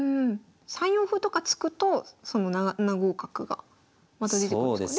３四歩とか突くとその７五角がまた出てくるんですか？